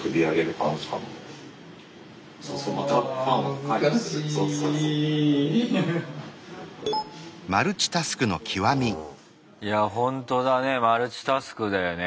１回全部触っていやほんとだねマルチタスクだよね。